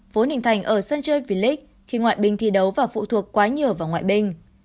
vốn hình thành ở sân chơi v leage khi ngoại binh thi đấu và phụ thuộc quá nhiều vào ngoại binh